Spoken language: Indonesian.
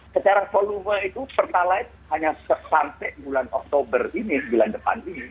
secara volume itu pertalite hanya sampai bulan oktober ini bulan depan ini